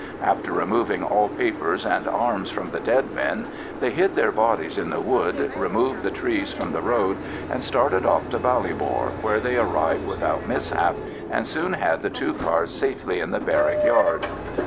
After removing all papers and arms from the dead men, they hid their bodies in the wood, removed the trees from the road, and started off to Ballybor, where they arrived without mishap, and soon had the two cars safely in the barrack yard.